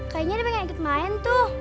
kayaknya dia pengen ikut main tuh